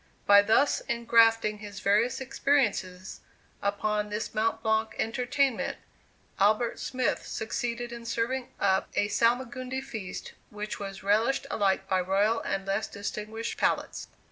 By thus engrafting his various experiences upon this Mont Blanc entertainment, Albert Smith succeeded in serving up a salmagundi feast, which was relished alike by royal and less distinguished palates.